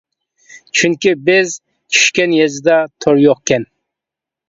چۈنكى بىز چۈشكەن يېزىدا تور يوقكەن.